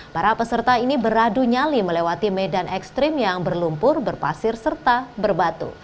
para peserta ini beradu nyali melewati medan ekstrim yang berlumpur berpasir serta berbatu